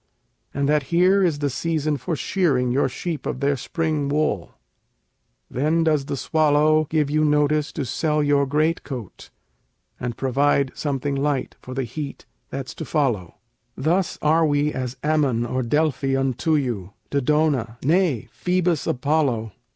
And that here is the season for shearing your sheep of their spring wool. Then does the swallow Give you notice to sell your great coat, and provide something light for the heat that's to follow. Thus are we as Ammon or Delphi unto you. Dodona, nay, Phoebus Apollo.